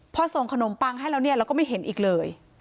พอส่งขนมปังให้แล้วเนี่ยเราก็ไม่เห็นอีกเลย